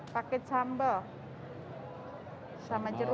paket sambal sama jeruk